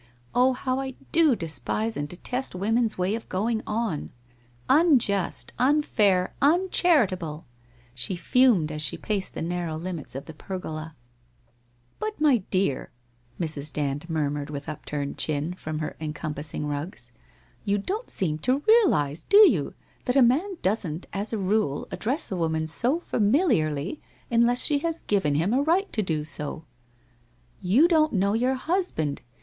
Oh, how I do despise and detest women's way of going on! Unjust — unfair — un charitable !' She fumed as she paced the narrow limits of the pergola. WHITE ROSE OF WEARY LEAF 197 1 But my dear,' Mrs. Dand murmured with upturned chin, from her encompassing rugs. ' You don't seem to realize, do you, that a man doesn't as a rule address a woman so familiarly unless she has given him a right to do so/ ' You don't know your husband